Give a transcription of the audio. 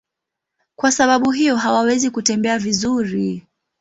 Kwa sababu hiyo hawawezi kutembea vizuri.